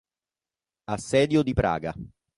Assedio di Praga